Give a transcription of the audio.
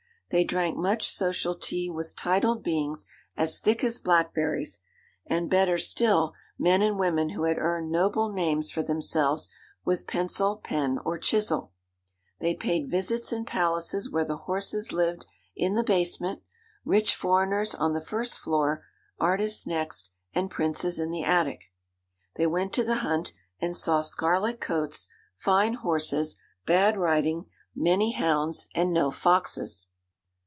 They drank much social tea with titled beings, as thick as blackberries, and, better still, men and women who had earned noble names for themselves with pencil, pen, or chisel. They paid visits in palaces where the horses lived in the basement, rich foreigners on the first floor, artists next, and princes in the attic. They went to the hunt, and saw scarlet coats, fine horses, bad riding, many hounds, and no foxes.